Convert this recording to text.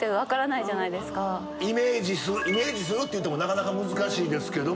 イメージするって言うてもなかなか難しいですけども。